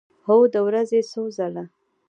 هو، د ورځې څو ځله